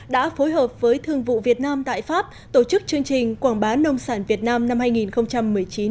đã phối hợp với thương vụ việt nam tại pháp tổ chức chương trình quảng bá nông sản việt nam năm hai nghìn một mươi chín